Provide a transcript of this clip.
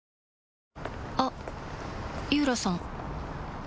あっ井浦さん